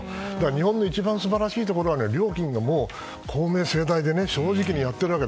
日本の一番素晴らしいところは料金も公明正大で正直にやっているわけ。